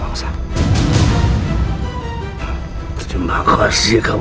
jangan sampai dia tercampur